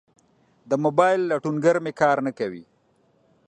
د موبایل لټونګر می کار نه کوي